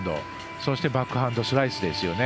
そしてバックハンドスライスですよね。